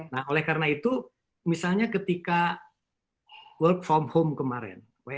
nah oleh karena itu misalnya ketika work from home kemarin